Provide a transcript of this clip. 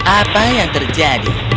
apa yang terjadi